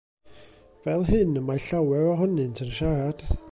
Fel hyn y mae llawer ohonynt yn siarad.